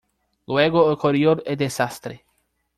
Luego ocurrió el desastre.